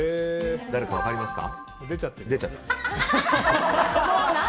誰か分かりますか？